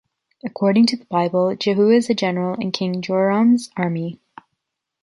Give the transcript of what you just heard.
According to the Bible, Jéhu is a general in King Joram’s army.